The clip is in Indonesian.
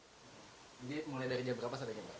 jadi mulai dari jam berapa saatnya